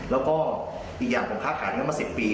แล้วก็อีกอย่างผมค้าขายกันมา๑๐ปี